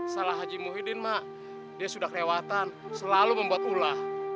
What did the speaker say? salah haji muhyiddin mak dia sudah kelewatan selalu membuat ulah